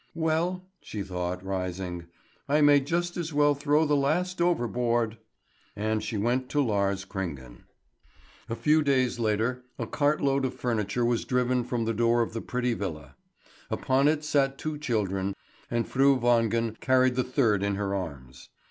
"Well," she thought, rising, "I may just as well throw the last overboard!" And she went to Lars Kringen. A few days later a cart load of furniture was driven from the door of the pretty villa. Upon it sat two children, and Fru Wangen carried the third in her arms.